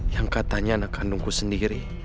yang katanya anak kandungku sendiri